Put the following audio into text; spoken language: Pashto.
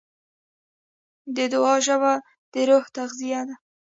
د دعا ژبه د روح تغذیه ده.